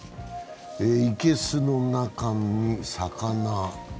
生けすの中に魚。